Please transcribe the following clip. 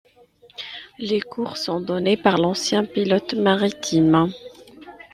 Les cours sont donnés par d'anciens pilotes maritimes.